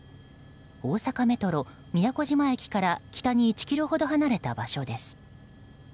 大阪メトロ都島駅から北に１ｋｍほど離れた場所です。